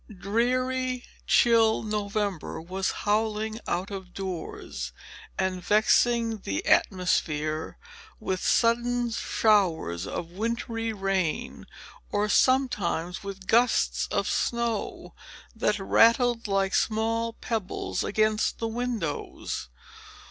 Dreary, chill November was howling, out of doors, and vexing the atmosphere with sudden showers of wintry rain, or sometimes with gusts of snow, that rattled like small pebbles against the windows.